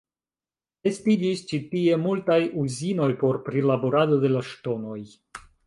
Estiĝis ĉi tie multaj uzinoj por prilaborado de la ŝtonoj.